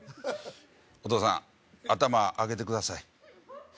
お義父さん頭上げてください